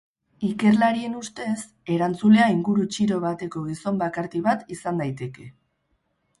Ikerlarien ustez, erantzulea inguru txiro bateko gizon bakarti bat izan daiteke.